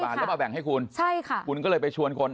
บาทแล้วมาแบ่งให้คุณใช่ค่ะคุณก็เลยไปชวนคน